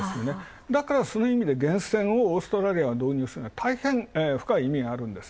だからその意味でオーストラリアが導入するのはたいへん深い意味があるんです。